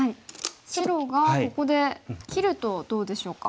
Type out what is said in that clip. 白がここで切るとどうでしょうか？